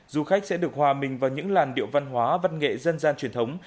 du khách sẽ được hòa mình vào những làn điệu văn hóa văn nghệ dân gian truyền thống